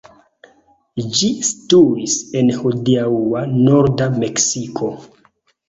Ĝi situis en hodiaŭa norda Meksiko.